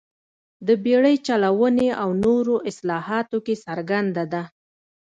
د بېړۍ چلونې او نورو اصلاحاتو کې څرګنده ده.